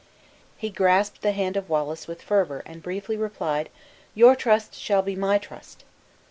He grasped the hand of Wallace with fervor, and briefly replied, "Your trust shall be my trust!"